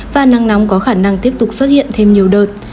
và nắng nóng có khả năng tiếp tục xuất hiện thêm nhiều đợt